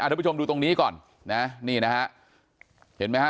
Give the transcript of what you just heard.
ทุกผู้ชมดูตรงนี้ก่อนนะนี่นะฮะเห็นไหมฮะ